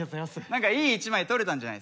何かいい一枚撮れたんじゃないですか？